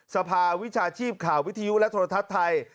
สภาวิชาชีพข่าววิทยุและโทรทัศน์ไทย